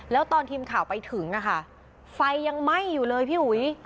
แล้วตอนทีมข่าวไปถึงไฟยังไหม้อยู่เลยพี่อุ๋ย